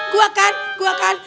gua gua kan